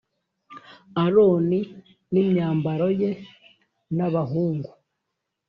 Aroni n imyambaro ye n abahungu